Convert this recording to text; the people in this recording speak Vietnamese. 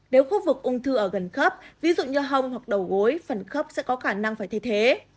nếu khu vực ung thư ở gần khớp ví dụ như hông hoặc đầu gối phần khớp sẽ có khả năng phải thay thế